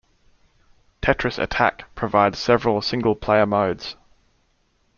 "Tetris Attack" provides several single-player modes.